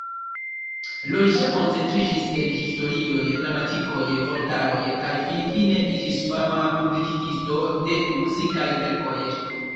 Roger koncentriĝis en historioj, gramatikoj, vortaroj kaj finfine iĝis fama publikigisto de muzikaj verkoj.